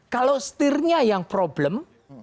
kalau setirnya yang problem